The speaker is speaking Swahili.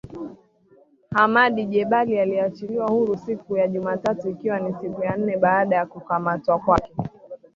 Hamadi Jebali aliachiliwa huru siku ya Jumatatu ikiwa ni siku ya nne baada ya kukamatwa kwake.